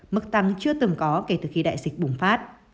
mức tăng chưa từng có kể từ khi đại dịch bùng phát